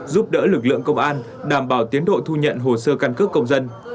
giúp đỡ lực lượng công an đảm bảo tiến độ thu nhận hồ sơ căn cước công dân